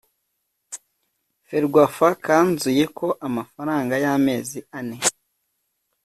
ferwafa kanzuye ko amafaranga y’amezi ane